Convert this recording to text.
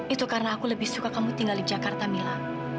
itu karena aku lebih suka kamu tinggal di jakarta mila